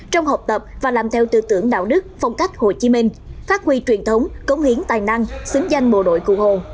trong học tập và làm theo tư tưởng đạo đức phong cách hồ chí minh phát huy truyền thống cống hiến tài năng xứng danh bộ đội cụ hồ